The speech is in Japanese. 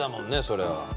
それは。